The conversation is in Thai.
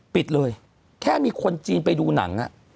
ปิดเลยแค่มีคนจีนไปดูหนัง